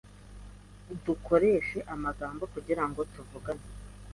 Dukoresha amagambo kugirango tuvugane.